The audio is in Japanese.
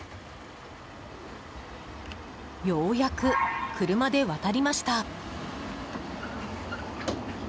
ようやく車で渡りました。